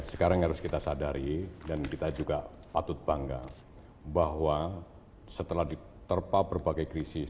sekarang harus kita sadari dan kita juga patut bangga bahwa setelah diterpa berbagai krisis